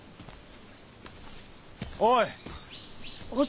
おい！